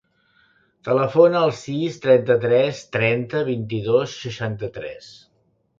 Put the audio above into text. Telefona al sis, trenta-tres, trenta, vint-i-dos, seixanta-tres.